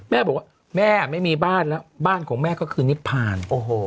แม่บอกว่าแม่ไม่มีบ้านแล้วบ้านของแม่ก็คือนิพพาน